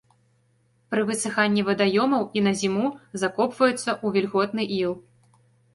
Пры высыханні вадаёмаў і на зіму закопваюцца ў вільготны іл.